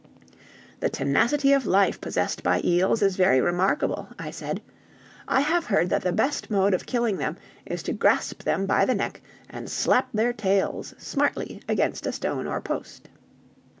"The tenacity of life possessed by eels is very remarkable," I said. "I have heard that the best mode of killing them is to grasp them by the neck and slap their tails smartly against a stone or post."